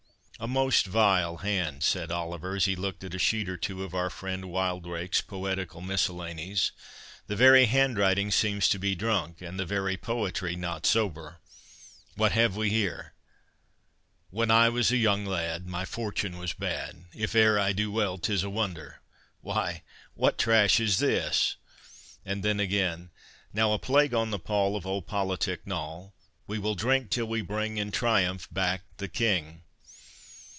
"A most vile hand," said Oliver, as he looked at a sheet or two of our friend Wildrake's poetical miscellanies—"The very handwriting seems to be drunk, and the very poetry not sober—What have we here? 'When I was a young lad, My fortune was bad— If e'er I do well, 'tis a wonder'— Why, what trash is this?—and then again— 'Now a plague on the poll Of old politic Noll! We will drink till we bring In triumph back the King.